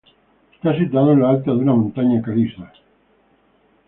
Está situado en lo alto de una montaña caliza.